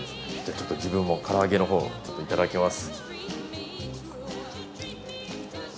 ちょっと自分もから揚げのほういただきます。